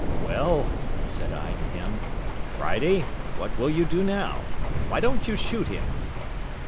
"Well," said I to him, "Friday, what will you do now? Why don't you shoot him?"